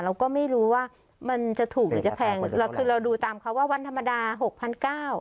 เราก็ไม่รู้ว่ามันจะถูกหรือจะแพงแต่คือเราดูตามคำว่าวันธรรมดา๖๙๐๐บาท